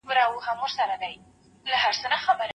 د صفوي دولت پوځ په کندهار کې ماتې وخوړه.